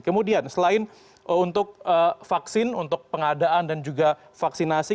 kemudian selain untuk vaksin untuk pengadaan dan juga vaksinasi